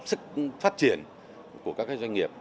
cái sức phát triển của các doanh nghiệp